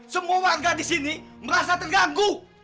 semua warga di sini merasa terganggu